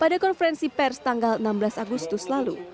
pada konferensi pers tanggal enam belas agustus lalu